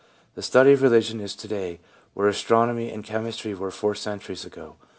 The study of religion is to day where astronomy and chemistry were four centuries ago.